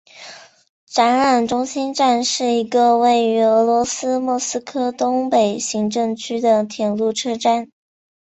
展览中心站是一个位于俄罗斯莫斯科东北行政区的铁路车站。